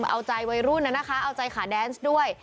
เอาใจวัยรุ่นนะคะเอาใจขาแดนซ์ด้วย